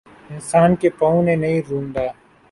انسان کےپاؤں نے نہیں روندا